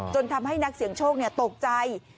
ทำให้นักเสียงโชคตกใจ